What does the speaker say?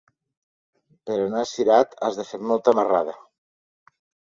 Per anar a Cirat has de fer molta marrada.